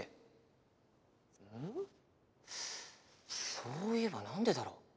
そういえばなんでだろう？